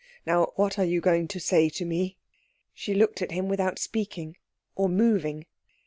Now what are you going to say to me?" She looked at him without speaking or moving.